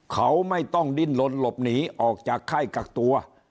เขาไม่ต้องดิ้นลนหลบหนีออกจากค่ายกักตัว